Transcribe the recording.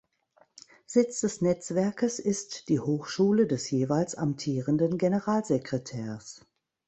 Sitz des Netzwerkes ist die Hochschule des jeweils amtierenden Generalsekretärs.